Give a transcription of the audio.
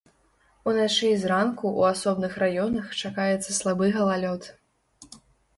Уначы і зранку ў асобных раёнах чакаецца слабы галалёд.